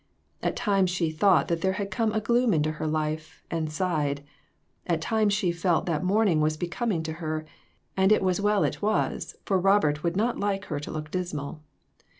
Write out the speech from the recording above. At times she thought that there had come a gloom into her life, and sighed; at times she felt that mourning was becoming to her, and it was well it was, for Robert would not like her to look dismal.